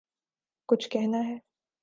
کچھ کہنا ہے